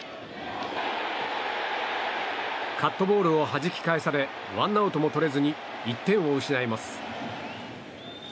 カットボールをはじき返されワンアウトも取れずに１点を失います。